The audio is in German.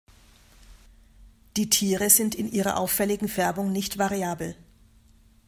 Die Tiere sind in ihrer auffälligen Färbung nicht variabel.